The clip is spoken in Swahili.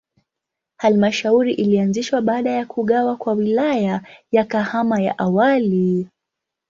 Halmashauri ilianzishwa baada ya kugawa kwa Wilaya ya Kahama ya awali.